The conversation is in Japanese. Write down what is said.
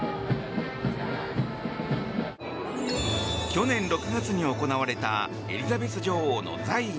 去年６月に行われたエリザベス女王の在位